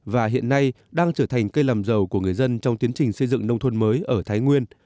và hiện nay đang trở thành cây làm giàu của người dân trong tiến trình xây dựng nông thôn mới ở thái nguyên